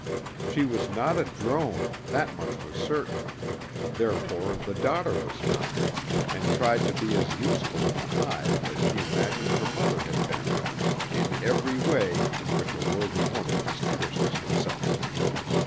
She was not a drone, that much was certain; therefore the daughter was not, and tried to be as useful in the hive as she imagined her mother had been, in every way in which a worthy woman distinguishes herself.